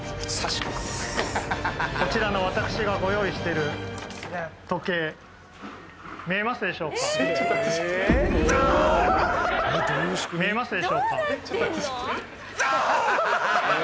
こちらの私がご用意してる時計見えますでしょうか見えますでしょうか